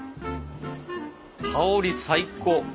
香り最高！